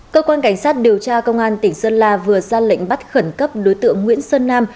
cơ quan cảnh sát điều tra công an tỉnh sơn la vừa ra lệnh bắt khẩn cấp đối tượng nguyễn sơn nam